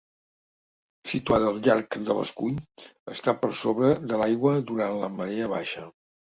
Situada al llarg de l'escull està per sobre de l'aigua durant la marea baixa.